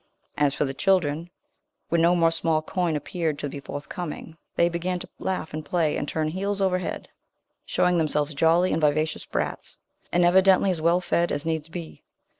As for the children, when no more small coin appeared to be forthcoming, they began to laugh and play, and turn heels over head, showing themselves jolly and vivacious brats, and evidently as well fed as needs be.